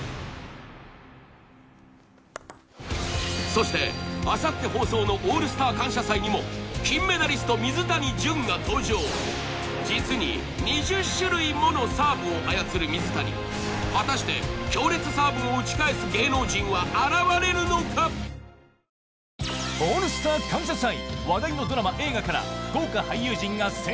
そしてあさって放送の「オールスター感謝祭」にも金メダリスト水谷隼が登場実に２０種類ものサーブを操る水谷果たして強烈サーブを打ち返す芸能人は現れるのか「オールスター感謝祭」